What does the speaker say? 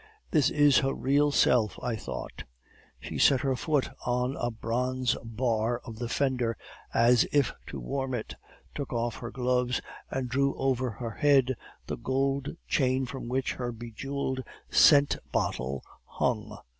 "'This is her real self,' I thought. "She set her foot on a bronze bar of the fender as if to warm it, took off her gloves, and drew over her head the gold chain from which her bejeweled scent bottle hung.